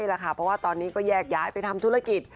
เพราะว่าตอนนี้ก็แยกย้ายไปทำธุรกิจ